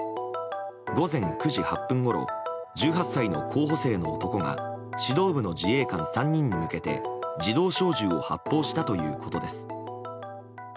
午前９時８分ごろ１８歳の候補生の男が指導部の自衛官３人に向けて自動小銃を発砲したということです。